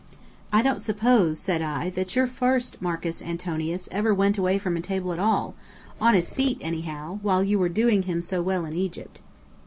_" "I don't suppose," said I, "that your first Marcus Antonius ever went away from a table at all on his feet; anyhow, while you were doing him so well in Egypt.